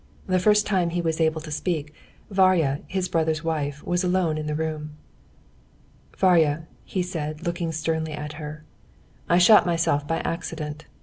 The first time he was able to speak, Varya, his brother's wife, was alone in the room. "Varya," he said, looking sternly at her, "I shot myself by accident.